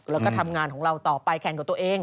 แล้วก็ทำงานของเราต่อไปแข่งกับตัวเอง